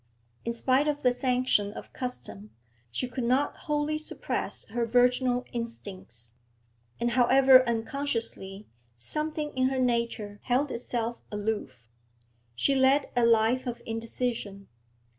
In spite of the sanction of custom, she could not wholly suppress her virginal instincts, and, however unconsciously, something in her nature held itself aloof. She led a life of indecision.